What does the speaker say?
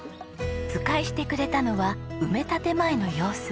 図解してくれたのは埋め立て前の様子。